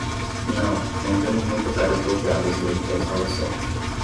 Não, não temos muitas áreas bloqueadas dentro da instalação.